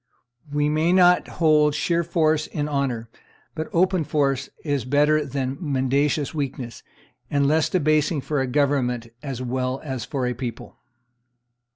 We may not hold sheer force in honor; but open force is better than mendacious weakness, and less debasing for a government as well as for a people.